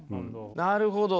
なるほど。